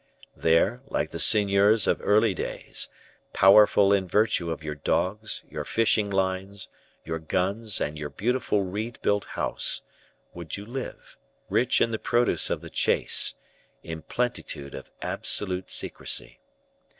There like the seigneurs of early days powerful in virtue of your dogs, your fishing lines, your guns, and your beautiful reed built house, would you live, rich in the produce of the chase, in plentitude of absolute secrecy.